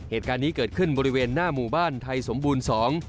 เหตุการณ์นี้เกิดขึ้นบริเวณหน้าหมู่บ้านไทยสมบูรณ์สอง